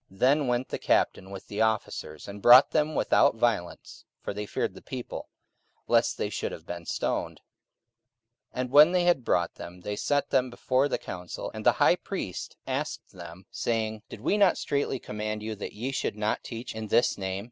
44:005:026 Then went the captain with the officers, and brought them without violence: for they feared the people, lest they should have been stoned. 44:005:027 And when they had brought them, they set them before the council: and the high priest asked them, 44:005:028 Saying, Did not we straitly command you that ye should not teach in this name?